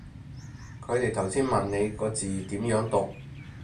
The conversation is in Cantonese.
佢哋頭先問你個字點樣讀